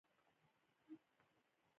باید په هر چاپیریال کې